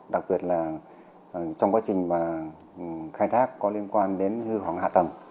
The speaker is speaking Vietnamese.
đặc biệt là trong quá trình khai thác có liên quan đến hư hỏng hạ tầng